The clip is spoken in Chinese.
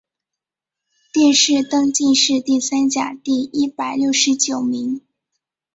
殿试登进士第三甲第一百六十九名。